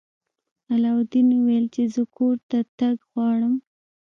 علاوالدین وویل چې زه کور ته تګ غواړم.